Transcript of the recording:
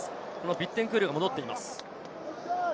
ビッテンクールが戻っています。